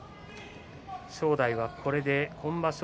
正代はこれで今場所